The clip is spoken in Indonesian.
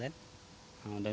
mungkin sudah longsor